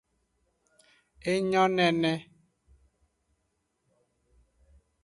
Enyo nene.